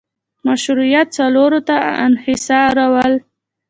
مشروعیت څلورو ته انحصارول